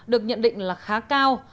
được nhận định là khá cao